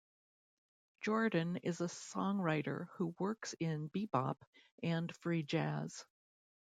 Jordan is a songwriter who works in bebop and free jazz.